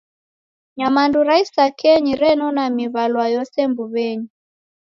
Nyamandu ra isakenyi renona miw'alwa yose mbuw'enyi.